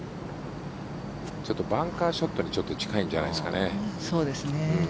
バンカーショットに近いんじゃないですかね。